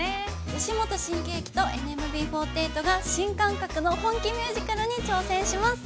吉本新喜劇とＮＭＢ４８が新感覚の本気ミュージカルに挑戦します！